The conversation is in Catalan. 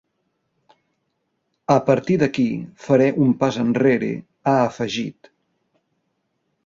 A partir d’aquí, faré un pas enrere, ha afegit.